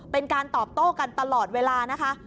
เป็นการตอบโต้กันตลอดเวลานะคะ